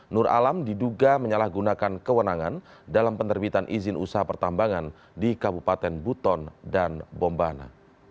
nur alam diduga menyalahgunakan kewenangan dalam penerbitan izin usaha pertambangan di kabupaten buton dan bombana